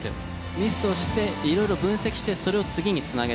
ミスをしていろいろ分析してそれを次につなげていく。